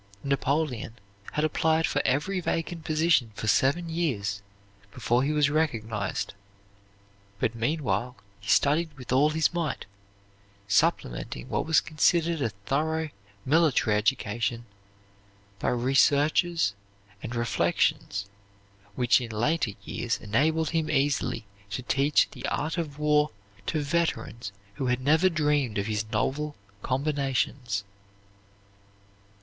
Napoleon had applied for every vacant position for seven years before he was recognized, but meanwhile he studied with all his might, supplementing what was considered a thorough military education by researches and reflections which in later years enabled him easily to teach the art of war to veterans who had never dreamed of his novel combinations.